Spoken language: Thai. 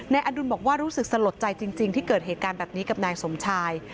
อดุลบอกว่ารู้สึกสลดใจจริงที่เกิดเหตุการณ์แบบนี้กับนายสมชาย